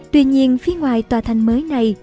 tuy nhiên phía ngoài tòa thanh mới này